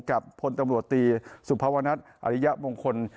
พลตำรวจตีสุภาวนัทอริยมงคล